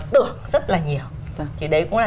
tưởng rất là nhiều thì đấy cũng là